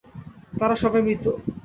তারা সবাই মৃত।